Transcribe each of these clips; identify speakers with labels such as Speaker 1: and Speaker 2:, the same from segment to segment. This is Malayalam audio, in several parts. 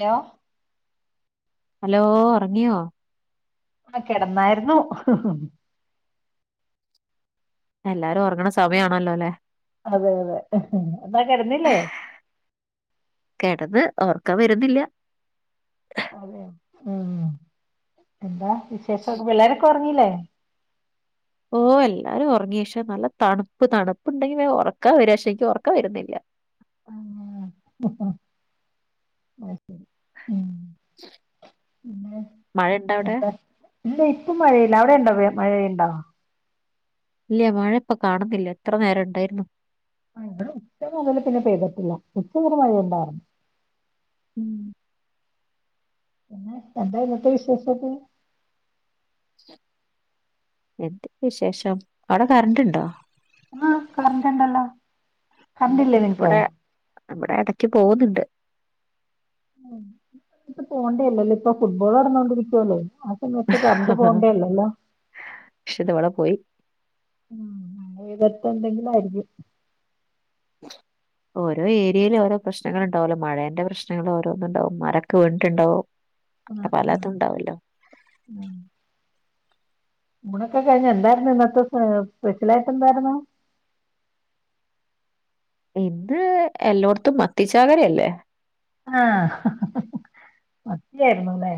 Speaker 1: ഹലോ?
Speaker 2: ഹലോ ഉറങ്ങിയോ?
Speaker 1: ആ കിടന്നായിരുന്നു.
Speaker 2: എല്ലാരും ഉറങ്ങണ സമയമാണല്ലോ അല്ലേ?
Speaker 1: അതെ അതെ എന്നാ കടന്നില്ലേ?
Speaker 2: കെടന്ന് ഒർക്കം വരുന്നില്ല
Speaker 1: അതെ ഉം, എന്താ വിശേഷൊക്കെ പിള്ളരക്കെ ഉറങ്ങില്ലേ?
Speaker 2: ഓ. എല്ലാരും ഉറങ്ങി ശേനല്ല തണുപ്പ് തണുപ്പ് ഉണ്ടെങ്കി പിന്നെ വേ ഉറക്ക വര
Speaker 1: [unintelligible] ഉം
Speaker 2: മഴ ഇണ്ട അവിടെ
Speaker 1: ഇല്ല, ഇപ്പ മഴയില്ല അവിടെ ഉണ്ടോ മഴയുണ്ടോ?
Speaker 2: ഇല്ല, മഴ ഇപ്പൊ കാണുന്നില്ല ഇത്ര നേരം ഉണ്ടായിരുന്നു.
Speaker 1: ആ ഇവിടെ ഉച്ച മുതല് പിന്നെ പെയ്തിട്ടില്ല ഉച്ചവരെ മഴ ണ്ടായിരുന്നു.
Speaker 2: ഉം
Speaker 1: പിന്നെ എന്താ [unintelligible] വിശേഷോക്കെ?
Speaker 2: എന്ത് വിശേഷം അവിടെ കറണ്ട് ഉണ്ടോ?
Speaker 1: ആഹ, കരണ്ടുണ്ടല്ലോ.
Speaker 2: മ്മ് മ്മ് വിടെ എടക്ക് പോവുന്നുണ്ട്.
Speaker 1: പോണ്ടേല്ലല്ലോ ഇപ്പൊ ഫുട്ബോൾ [unintelligible] ആ സമയത്ത് കരണ്ട് പോണ്ടേല്ലല്ലോ.
Speaker 2: പക്ഷെ ഇത് ഇവിടെ പോയി
Speaker 1: [unintelligible] എന്തെകിലും ആയിരിക്കും.
Speaker 2: ഓരോ ഏരിയേൽ. ഓരോ പ്രശ്നങ്ങൾ ഉണ്ടാവല്ലോ മഴേന്റെ പ്രശ്നങ്ങൾ ഓരോന്നും ഉണ്ടാവും, മരഒകെ വീണിട്ടുണ്ടാാവും.
Speaker 1: ആഹ് ആഹ്
Speaker 2: പലതുംഉണ്ടാവല്ലോ.
Speaker 1: ഊണ്ഒകെ കഴിഞ്ഞോ എന്തായിരുന്നു ഇന്നത്തെ സ്പെഷ്യലായിട്ട് എന്തായിരുന്നു?
Speaker 2: ഇന്ന് എല്ലോടത്തും മത്തിച്ചാക്കരയല്ലേ.
Speaker 1: ആഹ മത്തിയായിരുന്നുല്ലെ.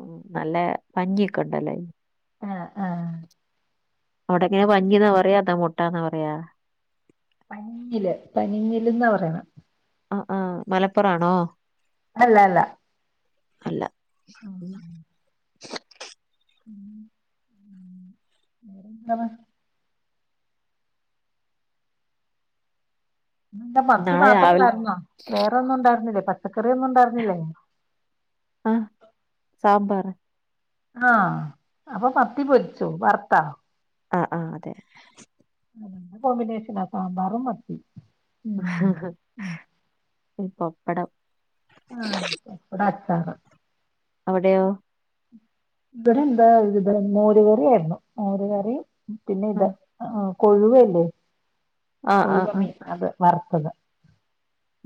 Speaker 2: ഉ നല്ല പഞ്ഞിയൊക്കെ ഉണ്ടല്ലേ
Speaker 1: ആഹ് ആഹ്.
Speaker 2: അവിടെങ്ങനെ പഞ്ഞിന്നാ പറയ അതാ ട്ടാന്ന പറയാ.
Speaker 1: പനിഞ്ഞില് പനിഞ്ഞില്ന്നാ പറയണ്.
Speaker 2: ആ ആ മലപ്പുറാണോ?
Speaker 1: അല്ല അല്ല
Speaker 2: അല്ല.
Speaker 1: ഉം, ഉം വേറെ എന്താണ് ഇന്ന് ഇവിട മത്തി
Speaker 2: നാളെ
Speaker 1: മാത്രേ
Speaker 2: രാവിലെ
Speaker 1: ഉള്ളായിരുന്നോ വേറൊന്നും ഉണ്ടായിരുന്നില്ലേ പച്ചക്ക [unintelligible] ഉണ്ടായിറുന്നില്ലേ?
Speaker 2: ആ സാമ്പാർ
Speaker 1: ആഹ് അപ്പൊ മത്തി പൊരിച്ചു വറുത്താ
Speaker 2: ആഹ് ആഹ് അതെ.
Speaker 1: നല്ല കോമ്പിനേഷനാ സാമ്പാറും മത്തീം
Speaker 2: ഈ പപ്പടം.
Speaker 1: ആഹ് പപ്പടം അച്ചാറ്
Speaker 2: അവിടെയോ
Speaker 1: ഇബടെ എന്താ ഇത് മോരു കറിയായിരുന്നു മോരുകറീം പിന്നെ
Speaker 2: ആ
Speaker 1: ഇത് ആഹ് കൊഴുവ ഇല്ലേ
Speaker 2: ആ ആ
Speaker 1: കൊഴുവ
Speaker 2: ആ.
Speaker 1: മീൻ അത് വറുത്തത്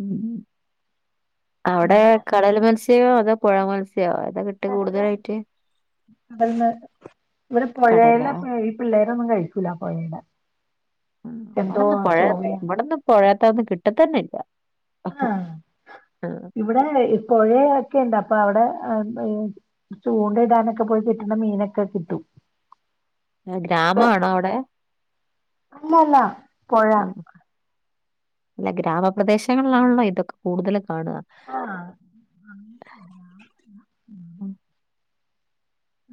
Speaker 2: മ്ഹ് അവിടെ
Speaker 1: പിന്നെ
Speaker 2: കടൽ മത്സ്യോ അതോ പുഴ മൽസ് [unintelligible] താ കിട്ടയാ
Speaker 1: കടല
Speaker 2: കൂടുതലായിട്ട്?
Speaker 1: [unintelligible] ഇവിടെ
Speaker 2: കടലാ
Speaker 1: പുഴെലെ ഈ പിള്ളേരൊന്നും കഴിക്കൂല പുയെലെ
Speaker 2: ഇവിടെന്നും പുഴെ ഇവിടെന്നും പുഴത്തെ ന്നും കിട്ടത്തന്നെല്ല.
Speaker 1: ആഹ് ഇവിടെ ഇപ്പോഴേ ഒക്കെ ഇണ്ട് അപ്പൊ അവിടെ ചൂണ്ട ഇടാനൊക്കെ പോയി കിട്ടുന്ന മീനൊക്കെ കിട്ടും.
Speaker 2: ഗ്രാമാണോ അവടെ?
Speaker 1: അല്ലല്ല പുഴ.
Speaker 2: ആ, അല്ല ഗ്രാമ പ്രദേശങ്ങളിലാണല്ലോ ഇതൊക്കെ കൂടുതൽ കാണ
Speaker 1: ആ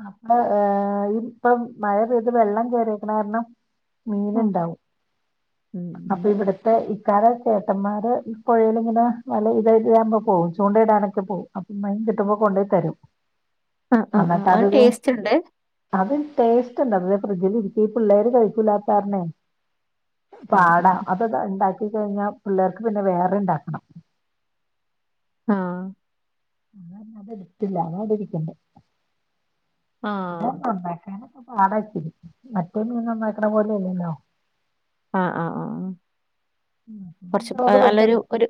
Speaker 1: അപ്പ ഏർ ഇ ഇപ്പൊ മഴ പെയ്ത് വെള്ളം കേറിക്കണ കാരണം മീൻ
Speaker 2: ആ,
Speaker 1: ഇണ്ടാവും.
Speaker 2: ഉം, ഉം.
Speaker 1: അപ്പൊ ഇവിടുത്തെ കര [unintelligible] ചേട്ടന്മാര് പുഴയിലിങ്ങനെ വല ഇത ഇത്കുമ്പോ പോവും ചൂണ്ടയിടാനൊക്കെ പോകും അപ്പ കിട്ടുമ്പോ കൊണ്ടെ തരും.
Speaker 2: ആഹ് ആഹ്
Speaker 1: എന്നിട്ട്
Speaker 2: അഹ്
Speaker 1: അത് ദേ
Speaker 2: ടേസ്റ്റ് ണ്ട്
Speaker 1: അത് ടേസ്റ്റ് ണ്ട് അ ഫ്രിഡ്ജിൽ ഇരിക്കി പിള്ളേര് കഴിക്കൂലാത്താരണെ
Speaker 2: ഉം, ഉം.
Speaker 1: പാടാ അത് താ ണ്ടാ ക്കി കഴിഞ്ഞാൽ പിള്ളേർക്ക് പിന്നെ വേറെ ഇണ്ടാക്കണം
Speaker 2: ആഹ്
Speaker 1: അ അത എടുത്തില്ല അത് അടെരിക്കണ്ട
Speaker 2: ആ,
Speaker 1: പിന്ന ഉണ്ടാക്കാന പാടാച്ചി മറ്റേ മീൻ നന്നാക്ണ പോലെല്ല ല്ലോ.
Speaker 2: ആഹ് ആഹ് ആഹ് കുറച്ച്
Speaker 1: നമുക്ക്
Speaker 2: നല്ലൊരു
Speaker 1: പെട്ടെന്ന്
Speaker 2: ഒരു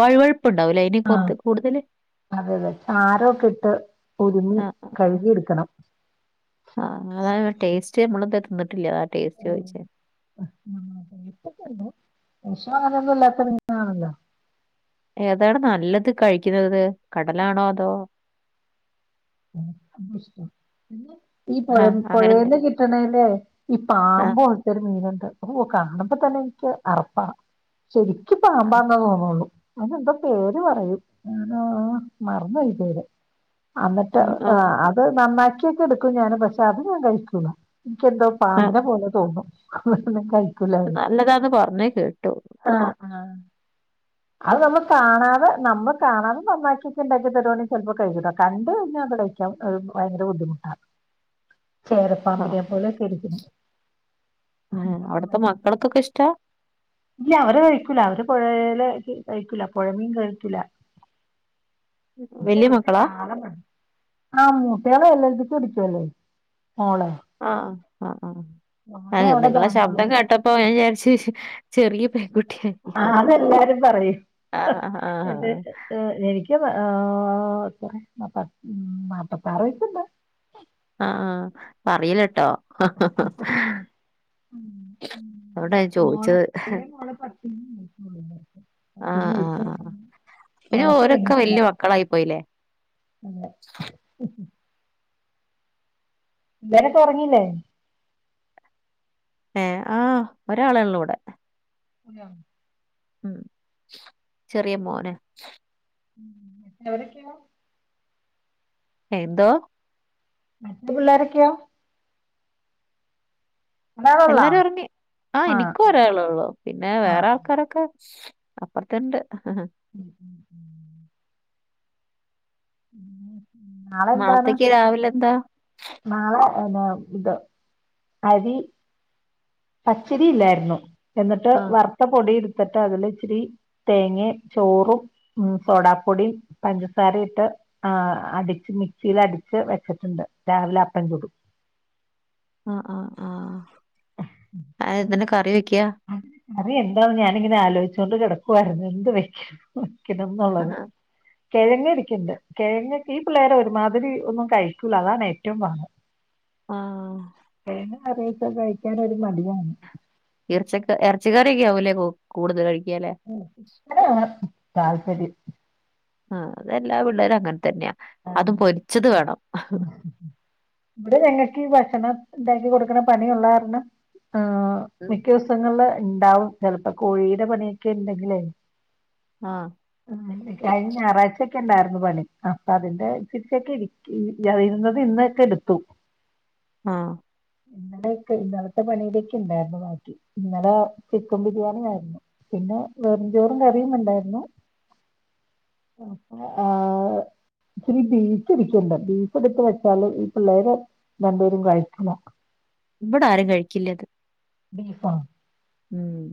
Speaker 2: വഴു വഴുപ്പുണ്ടാവൂലേ
Speaker 1: ആ
Speaker 2: അയിന്റെ കൂടുതല്.
Speaker 1: അതെ അതെ ചാരൊക്കെ ഇട്ട് ഒരുങ്ങി കഴുകിടുക്കണം
Speaker 2: ആഹ് അങ്ങനെതായ ടേസ്റ്റ് നമ്മളത ത്തിന്നിട്ടില്ല
Speaker 1: ഓഹ് [unintelligible] വേഷോ അങ്ങനെ ഒന്നുംല്ലാത്ത മീനണല്ലോ
Speaker 2: ഏതാണ് നല്ലത് കഴിക്കുന്നത് കടലാണോ അതോ.
Speaker 1: ആ അശ [unintelligible] ഈ. പുഴ
Speaker 2: ആ അങ്ങനെ
Speaker 1: പൊഴേന്ന്
Speaker 2: എന്തെങ്കിലും
Speaker 1: കിട്ടണേല് ഈ
Speaker 2: ആ
Speaker 1: പാമ്പോലത്തെ മീനുണ്ട് കാണുമ്പ തന്നെ എനിക്ക് അറപ്പാ ശരിക്കും
Speaker 2: ആ
Speaker 1: പാമ്പാന്ന തോന്നുള്ളൂ അയിനെന്തോ പേര് പറയും ഓ മറന്നു പോയി പേര് എന്നിട്ട് ആ അത് നന്നാക്കിയൊക്കെ എടുക്കും ഞാന് പഷേ അത് ഞാൻ കൈകുല. എനിക്കെന്തോ
Speaker 2: ആ.
Speaker 1: പാമ്പിനെ പോലെ തോന്നും അ - [unintelligible]
Speaker 2: നല്ലതാന്ന് പറഞ്ഞേ കേട്ടു
Speaker 1: ആഹ ആ അത് നമ്മള് കാണാതെ നമ്മള് കാണാതെ നന്നാക്കിട്ടുണ്ടാക്കിയൽ തരുവാണേ ചെലപ്പോ കഴിക്കട്ടോ കണ്ട കഴിഞ്ഞ- ക്കാൻ അത് ഭയങ്കര ബുദ്ധിമുട്ടാണ് ചേരപ്പാമ്പിനെ പോലെ കരിക്കുന്നു
Speaker 2: ആഹ, അവിടത്തെ മക്കൾക്ക്‌ക്കെ ഇഷ്ടാ
Speaker 1: ഇല്ല അവര് കഴിക്കൂല അവര് പൊഴേലെ കഴിക്കൂല പോഴ മീൻ കഴിക്കൂല ഇപ്പൊ
Speaker 2: വലിയ
Speaker 1: ഇവർക്ക്
Speaker 2: മക്കളാ
Speaker 1: ചാള മതി [unintelligible] കുടിച്ചു ഇല്ലേ
Speaker 2: ആഹ ആ ഹ് ആ
Speaker 1: മോന്
Speaker 2: ഹ്
Speaker 1: അവിടെ
Speaker 2: നിങ്ങളെ ശബ്ദം
Speaker 1: ബാംഗ്ലൂര്
Speaker 2: കേട്ടപ്പോ ഞാൻ വിചാരിച്- ചെറിയ പെൺകു
Speaker 1: ആഹ് അതെല്ലാരും പറയും ഹ്
Speaker 2: ആഹ് ആഹ്
Speaker 1: എന്റെ
Speaker 2: ആഹ്
Speaker 1: ഹേ എനിക്ക്- ആ നാപ്പത്താറ് വയസുണ്ട്
Speaker 2: ആഹ് ആഹ് പറയില്ല ട്ടോ
Speaker 1: മോളെ എളയമോള് പത്തിലാ
Speaker 2: ആഹ്
Speaker 1: അപ്പച്ച
Speaker 2: ആഹ് ആഹ്
Speaker 1: [unintelligible]
Speaker 2: ഓരൊക്കെ വല്യ മക്കളായി പോയില്ലേ
Speaker 1: അതെ പിള്ളാരൊക്കെ ഒറങ്ങീല്ലേ
Speaker 2: ഏ ആ ഒരാളേ ഉള്ളൂ ഇവിടെ.
Speaker 1: അതെയോ
Speaker 2: ഉം ചെറിയ മോന്
Speaker 1: ഉം എത്രയിൽ പഠിക്കുവാ
Speaker 2: എന്തോ
Speaker 1: മറ്റ്‌ പിള്ളോരൊക്കെയോ ഒരാളുള്ള
Speaker 2: എല്ലാരും ഉറങ്ങി ആ
Speaker 1: ആഹ്
Speaker 2: എനിക്ക് ഒരാളെ ഉള്ളു പിന്നെ
Speaker 1: ആഹ്
Speaker 2: വേറെ ആൾക്കാരൊക്കെ അപ്പറത്തുണ്ട്
Speaker 1: ഉം ഉം ഉം നാളെ എന്താണ്
Speaker 2: നാളത്തേക്ക് രാവിലെ എന്താ
Speaker 1: നാളെ എന്നാ ഇത് അരി പച്ചരി ഇല്ലായിരുന്നു എന്നിട്ട്
Speaker 2: ആഹ്
Speaker 1: വറുത്ത പൊടി എടു ത്തിട്ട് അതിലിച്ചിരി തേങ്ങയും ചോറും സോഡാപ്പൊടിയും പഞ്ചസാരയിട്ട് ആഹ് അടിച്ച് മിക്സിയിൽ അടിച്ച് വെച്ചിട്ടുണ്ട് രാവിലെ അപ്പം ചുടും
Speaker 2: അ അ ആ അതിന് എന്നാ കറി വെ
Speaker 1: ഉം കറി എന്താണെന്ന് ഞാനിങ്ങനെ ആലോചിച്ചോണ്ട് കിടക്കുവാരുന്നു എന്ത് വെക്ക ണോന്നുള്ളത് കെഴങ്ങ് ഇരിക്കണ്ട് കെഴങ്ങൊക്കെ ഈ പിള്ളേര് ഒരുമാതിരി ഒന്നും കഴിക്കൂല അതാണ് ഏറ്റവും പാട്
Speaker 2: ആഹ്
Speaker 1: കറിയൊക്കെ കഴിക്കാനൊരു മടിയാണ്
Speaker 2: എറച്ചിയൊക്കെ ഇറച്ചിക്കറിയൊക്കെ ആവൂല്ലേ കൂടുതല് കഴി
Speaker 1: ഉം ചിക്കനാണ് താല്പര്യം
Speaker 2: ആഹ് അതെല്ലാ പിള്ളാരും അങ്ങനെ തന്നെയാ
Speaker 1: ആ,
Speaker 2: അതും പൊരിച്ചത് വേണം.
Speaker 1: ഇവിടെ ഞങ്ങൾക്ക് ഈ ഭക്ഷണം ണ്ടാക്കികൊടുക്ണ പണിയൊള്ളാർണം അ
Speaker 2: ഉം
Speaker 1: മിക്ക ദിവസങ്ങളില് ണ്ടാവും ചെലപ്പൊ കോഴിടെ പണിയൊക്കെണ്ടെങ്കിലെ
Speaker 2: ആഹ്
Speaker 1: അ കഴിഞ്ഞ ഞായറാഴ്യ്ച്ചൊക്കെണ്ടാർന്നു പണി ആ പ്പതിന്റെ ഇച്ചിരിച്ചിരിക്കിന് അത് ഇരുന്നത് ഇന്നൊക്കെയെടുത്തു
Speaker 2: ആഹ്
Speaker 1: ഇന്നലെക്കെ ഇന്നലത്തെ പണിയിലൊക്കെ ഉണ്ടായിരുന്നു ബാക്കി ഇന്നലെ ചിക്കൻ ബിരിയാണിയായിരുന്നു പിന്നെ വെറുംചോറും കറീംണ്ടാര്ന്നു ആഹ് ച്ചിരി ബീഫിരിക്കിണ്ട് ബീഫെട്ത്ത് വെച്ചാല് പിള്ളേര് രണ്ടുപേരും കഴിക്കണ്
Speaker 2: ഇവ്ടാരും കഴിക്കില്ലത്
Speaker 1: ബീഫോ
Speaker 2: ഉം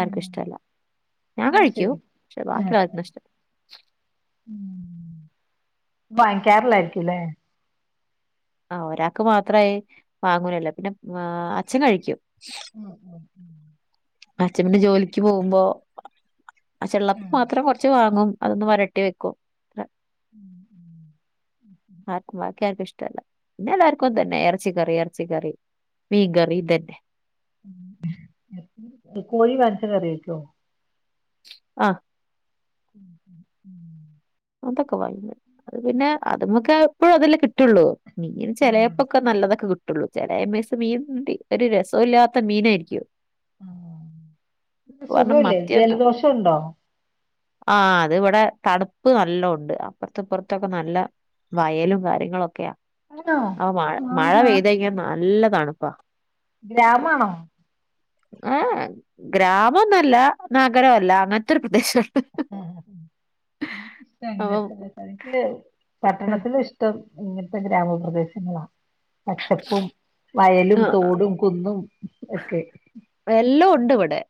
Speaker 1: ഉം
Speaker 2: ഞാൻ
Speaker 1: എന്നാ
Speaker 2: കഴിക്കും
Speaker 1: ശരി
Speaker 2: ക്ഷെ ബാക്കിള്ളാർക്കുഷ്ടല്ല. [inaudible]
Speaker 1: വാങ്ങിക്കാറില്ലായിരിക്കുലേ....
Speaker 2: അഹ് ഒരാക്ക്മാത്രായി വാങ്ങൂലല്ലൊ പിന്നെ അച്ഛൻ കഴിക്കും.
Speaker 1: ഉംമ് മ്
Speaker 2: അച്ഛപിന്നെ ജോലിക്ക്പോവുമ്പോ അ അ
Speaker 1: ആഹ്
Speaker 2: അച്ഛള്ളപ്പമാത്രംകൊറച്ച് വാങ്ങും അതൊന്ന് വരട്ടിവെക്കും
Speaker 1: ഉം
Speaker 2: ആക്കും ബാക്കിയാർക്കുംഷ്ട ല്ല പിന്നെല്ലാർക്കുംതന്നെ എറച്ചികറി എറച്ചിക്കറി മീൻകറിതന്നെ
Speaker 1: മ് കോഴിവരച്ച്കറിവെക്കോ.
Speaker 2: അഹ്
Speaker 1: ഉം.
Speaker 2: അതൊക്കെ വാങ്ങും അത്പിന്നെ അത് മക്കെപ്പഴതല്ലെ കിട്ടൊള്ളു മീൻ
Speaker 1: അതെ അതെ
Speaker 2: ചെലേപ്പക്കെ നല്ലതൊക്കെകിട്ട ട്ടൊള്ളു ചെലേമിസം മീൻണ്ട് ഒരുരസോല്ല്യാത്ത മീനായിരിക്കും
Speaker 1: ആഹ്
Speaker 2: കാരണം
Speaker 1: പ്പസുഖവല്ലെ ജലദോഷണ്ടോ?
Speaker 2: ആഹ് ത്വ്ടെ തണ്പ്പ് നല്ലോംണ്ട് അപ്പറത്തുപ്പറത്തൊക്കെ നല്ല വയലുംകാര്യങ്ങളൊക്കെയാ
Speaker 1: ആണോ
Speaker 2: അവ് മഴ മഴപെയ്തയിഞ്ഞാല് നല്ല തണ്പ്പാ
Speaker 1: ഗ്രാമാണൊ?
Speaker 2: ഏഹ് എ ഗ്രാമന്നല്ല നഗരല്ല അങ്ങനത്തൊരു പ്രദേശാണ്. അപ്പം
Speaker 1: [unintelligible] പട്ടണത്തിൽ ഇഷ്ട...... ഇങ്ങനത്തെ ഗ്രാമപ്രദേശങ്ങളാ പച്ചപ്പും....... വയലും
Speaker 2: ആ,
Speaker 1: തോടും കുന്നും ഒക്കെ.
Speaker 2: എല്ലാം ഉണ്ട് ഇവിടെ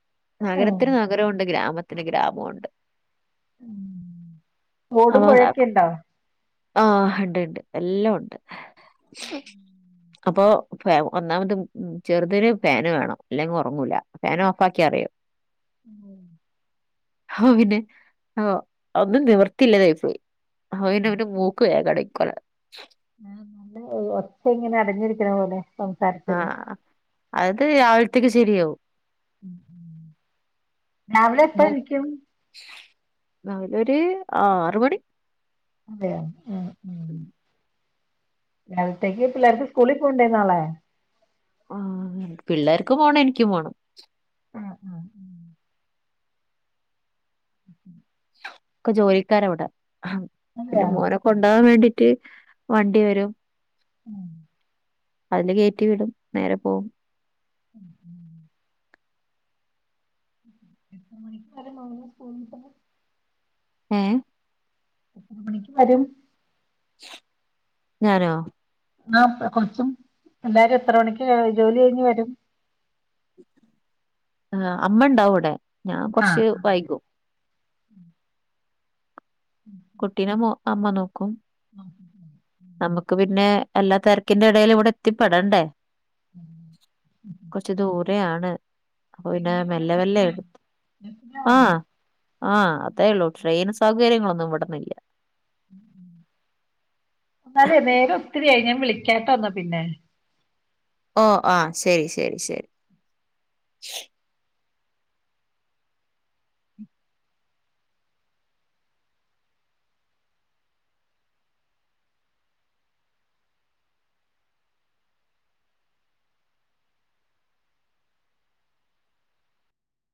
Speaker 1: ആഹ്
Speaker 2: നഗരത്തിന് നഗരമുണ്ട് ഗ്രാമത്തിന് ഗ്രാമുണ്ട്.
Speaker 1: ഓടുമ്പോഴൊക്കെ ഇണ്ടാവും..
Speaker 2: ആഹ് ഉണ്ട് ഉണ്ട് എല്ലാം ഉണ്ട്.
Speaker 1: [inaudible]
Speaker 2: അപ്പൊ. ഒന്നാമത് ചെറുതന് ഫാന് വേണം അല്ലെങ്കിൽ ഉറങ്ങൂല ഫാന് ഓഫ് ആാക്കി അറിയാ
Speaker 1: [inaudible]
Speaker 2: ആഹ് പിന്നെ ആ ഒന്നും നിവർത്തില്ലതായിപ്പോയി. [unintelligible] മൂക്ക് എകട കൊ......
Speaker 1: ആ നല്ല ഒച്ച ഇങ്ങനെ അടഞ്ഞിരിക്കണ പോലെ സംസാരത്തില്...,
Speaker 2: ആഹ് അത് രാവിലത്തേക്ക് ശരിയാവും.
Speaker 1: രാവിലെ എപ്പ നിക്കും.
Speaker 2: രാവില ഒരു ആറ് മണി.
Speaker 1: അതെയ ആഹ് ഉ. രാവിലത്തേക് പിള്ളേർക്ക് സ്കൂള പോണ്ടേന്നാളെ.
Speaker 2: ആ പിള്ളേർക്ക് പോണം എനിക്കും പോണം.
Speaker 1: ആ ആ [inaudible]
Speaker 2: ഒക്കെ ജോലിക്കാര അവിടെ പിന്നെ
Speaker 1: ഉം
Speaker 2: മോനൊക്കെ ഉണ്ടാവാൻ വേണ്ടി വണ്ടി വരും.
Speaker 1: ഉം.
Speaker 2: വണ്ടികയറ്റി വിടും നേരെ പോകും.
Speaker 1: [inaudible] എത്ര മണിക്കൂർ [unintelligible]
Speaker 2: യേഹ്.....
Speaker 1: [unintelligible]
Speaker 2: ഞാനോ
Speaker 1: ആ കൊറച്ചും എല്ലാവാരും എത്ര മണിക്ക് ജോലി കഴിഞ്ഞഞ് വരും
Speaker 2: ആ അമ്മ ഉണ്ടാവും അവിടെ ഞാൻ
Speaker 1: ആ
Speaker 2: കുറച്ച്
Speaker 1: ആ
Speaker 2: വൈകും കുട്ടീനെ അമ്മ നോക്കും......
Speaker 1: ആഹ
Speaker 2: നമുക്ക് പിന്നെ എല്ലാ തിരക്കിറെ ഇടയിലും ഇവിടെ എത്തിപ്പെെടണ്ടേ.. കൊറച്ചു ദൂരെ ആണ് അപ്പൊ പിന്നെ
Speaker 1: എങ്ങനെ പോണെ
Speaker 2: മെല്ലെ മെല്ല
Speaker 1: ബസ്സിനാ
Speaker 2: എടു
Speaker 1: ബസ്സിനാ പോണെ
Speaker 2: ആഹ ആഹ് അതേള്ളൂ ട്രെയിൻ സൗകര്യങ്ങളൊന്നും ഇവിടന്നില്ല......
Speaker 1: ഉം ഉ എന്നാലേ നേരെ ഒത്തിരിയായി ഞാൻ വിളിക്കാത്ത ഒന്നാ പിന്നെ.
Speaker 2: ഓ ആഹ ശരി ശരി ശരി.